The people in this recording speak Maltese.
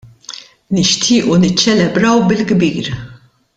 Nixtiequ niċċelebraw bil-kbir.